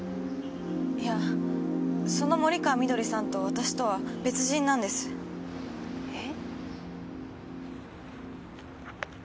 いやその森川みどりさんと私とは別人なんです。え？